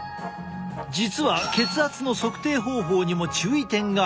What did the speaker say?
実は血圧の測定方法にも注意点がある。